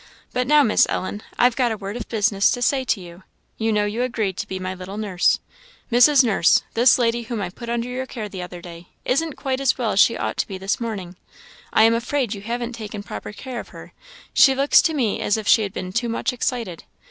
But now, Miss Ellen, I've got a word of business to say to you; you know you agreed to be my little nurse. Mrs. Nurse, this lady whom I put under your care the other day, isn't quite as well as she ought to be this morning; I am afraid you haven't taken proper care of her; she looks to me as if she had been too much excited.